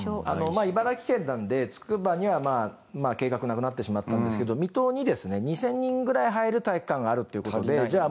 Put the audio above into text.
まあ茨城県なのでつくばには計画がなくなってしまったんですけど水戸にですね２０００人ぐらい入る体育館があるという事でじゃあ